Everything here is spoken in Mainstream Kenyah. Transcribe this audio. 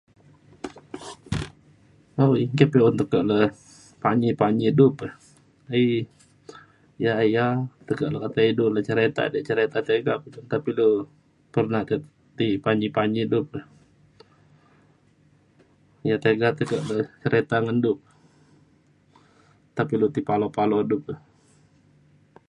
awai engke pe un tekak le panji panji du pe aie ya ya tekak le ketai du cereta da' cereta tega pe to nta pe ilu pernah te ti panji panji du pe ya tega tekek le cereta ngan du pe nta pilu tai palo palo du pe